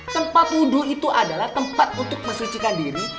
tempat wudhu itu adalah tempat untuk mensucikan diri